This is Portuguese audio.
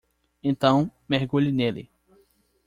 Então, mergulhe nele.